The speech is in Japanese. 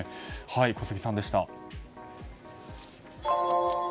小杉さんでした。